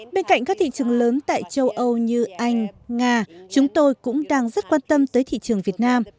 bên cạnh các thị trường lớn tại châu âu như anh nga chúng tôi cũng đang rất quan tâm tới thị trường việt nam